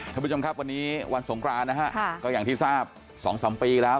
ท่านผู้ชมครับวันนี้วันสงครานนะฮะก็อย่างที่ทราบ๒๓ปีแล้ว